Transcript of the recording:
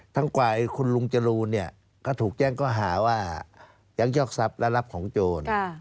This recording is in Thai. ฝ่ายคุณลุงจรูนเนี่ยก็ถูกแจ้งก็หาว่ายักยอกทรัพย์และรับของโจร